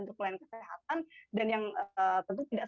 untuk pelayanan kesehatan dan yang tentu tidak